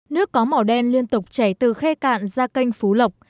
nước có màu đen liên tục chảy từ khe cạn ra kênh phú lộc